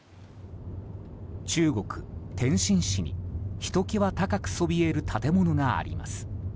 中国・天津市にひときわ高くそびえる建物があります。